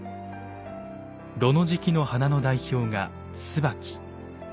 炉の時期の花の代表が椿。